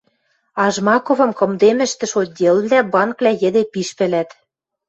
А Жмаковым кымдемӹштӹш отделвлӓ, банквлӓ йӹде пиш пӓлӓт.